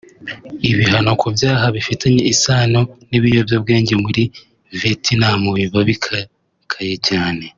Ibihano ku byaha bifitanye isano n’ibiyobyabwenge muri Vietnam biba bikakaye cyane